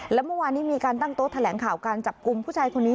และเมื่อวานนี้มีการตั้งโต๊ะแถลงข่าวการจับกลุ่มผู้ชายคนนี้